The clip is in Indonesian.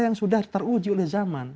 yang sudah teruji oleh zaman